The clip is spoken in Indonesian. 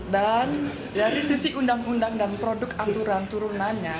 dari sisi undang undang dan produk aturan turunannya